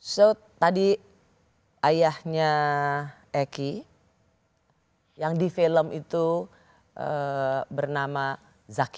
jadi tadi ayahnya egy yang di film itu bernama zaky